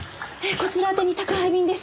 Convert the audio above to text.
こちら宛てに宅配便です。